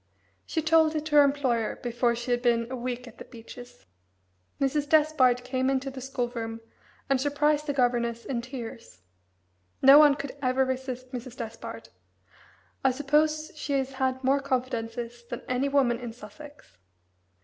She told it to her employer before she had been a week at the Beeches. Mrs. Despard came into the school room and surprised the governess in tears. No one could ever resist Mrs. Despard I suppose she has had more confidences than any woman in Sussex.